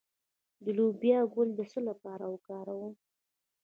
د لوبیا ګل د څه لپاره وکاروم؟